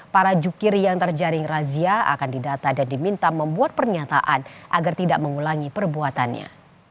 para jukir yang terjaring razia akan didata dan diminta membuat pernyataan agar tidak mengulangi perbuatannya